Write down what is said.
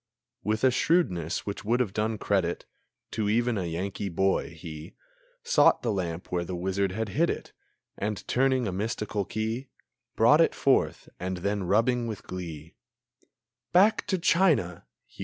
With a shrewdness which would have done credit To even a Yankee boy, he Sought the lamp where the wizard had hid it, And, turning a mystical key, Brought it forth, and then, rubbing with glee, "Back to China!"